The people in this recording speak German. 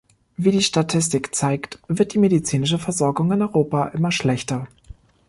Wie die Statistik zeigt, wird die medizinische Versorgung in Europa immer schlechter.